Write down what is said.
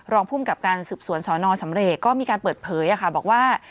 รองภูมิกับการสืบสวนสนสำเรกก็มีการเปิดเผยบอกว่า